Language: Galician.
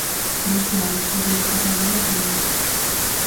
Dous planos de 'O carnaval das ánimas'.